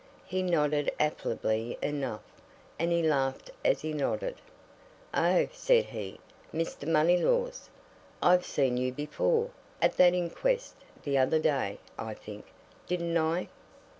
He nodded affably enough, and he laughed as he nodded. "Oh!" said he. "Mr. Moneylaws! I've seen you before at that inquest the other day, I think. Didn't I?"